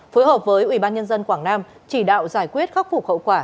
phối hợp với ủy ban nhân dân quảng nam chỉ đạo giải quyết khắc phục hậu quả